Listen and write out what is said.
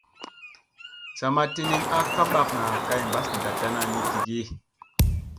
Sa ma tinin a ka ɓakŋa kay mbas ndattana ni ki ge.